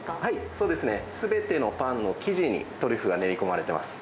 そうですね、すべてのパンの生地にトリュフが練り込まれています。